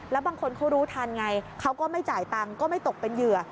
แล้วบางคนเขารู้ทันไงเขาก็ไม่จ่ายตังค์ก็ไม่ตกเป็นเหยื่อ